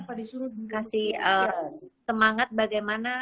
mudah boleh mengasihi semangat bagaimana